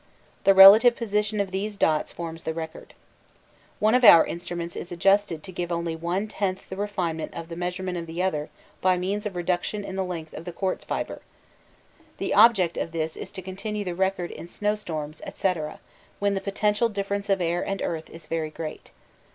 The relative position of these dots forms the record. One of our instruments is adjusted to give only 1/10th the refinement of measurement of the other by means of reduction in the length of the quartz fibre. The object of this is to continue the record in snowstorms, &c., when the potential difference of air and earth is very great.